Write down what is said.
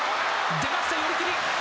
出ました、寄り切り。